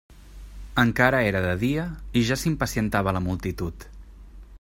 Encara era de dia i ja s'impacientava la multitud.